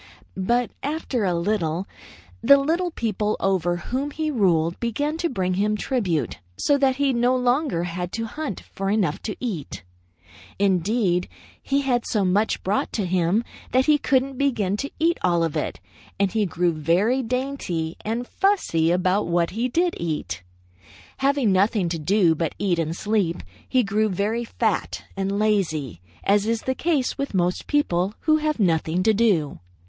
But after a little, the little people over whom he ruled began to bring him tribute, so that he no longer had to hunt for enough to eat. Indeed, he had so much brought to him, that he couldn't begin to eat all of it, and he grew very dainty and fussy about what he did eat. Having nothing to do but eat and sleep, he grew very fat and lazy, as is the case with most people who have nothing to do.